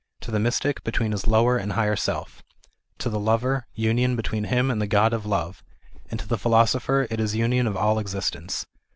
To the mystic between his lower and higher self. To the lover, union between him and the God of love, and to the philosopher it is union of all existence.